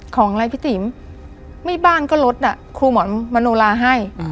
ของอะไรพี่ติ๋มไม่บ้านก็รถครูหมอนมโนลาให้